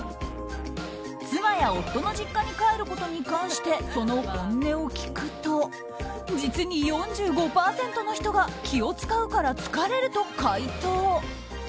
妻や夫の実家に帰ることに関してその本音を聞くと実に４５％の人が気を使うから疲れると回答。